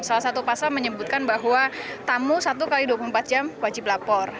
salah satu pasal menyebutkan bahwa tamu satu x dua puluh empat jam wajib lapor